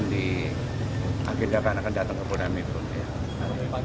nanti kemudian kita akan datang ke polda metro jaya